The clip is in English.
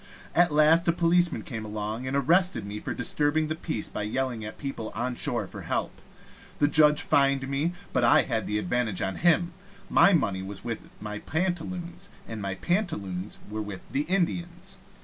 At last a policeman came along, and arrested me for disturbing the peace by yelling at people on shore for help. The judge fined me, but had the advantage of him. My money was with my pantaloons, and my pantaloons were with the Indians.